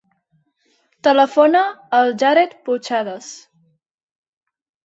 Telefona al Jared Puchades.